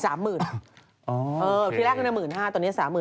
อ๋อโอเคที่แรกเป็น๑๕๐๐๐ตอนนี้๓๐๐๐๐